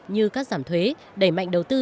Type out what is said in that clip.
như các giảm thuế đẩy mạnh đầu tư